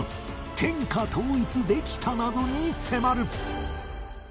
天下統一できた謎に迫る